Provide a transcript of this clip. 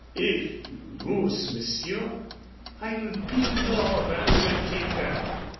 If you lose, monsieur, I'll be your undertaker.